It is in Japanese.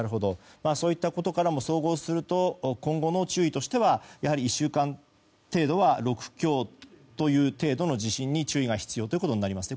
そういったことからも総合すると今後の注意としてはやはり１週間程度は６強程度の地震に注意が必要ということになりますね。